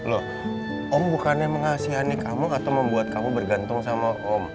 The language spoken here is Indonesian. loh om bukannya mengasihani kamu atau membuat kamu bergantung sama om